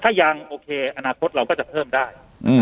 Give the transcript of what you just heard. ถ้ายังโอเคตอนนี้ในอนาคตเราก็จะเพิ่มได้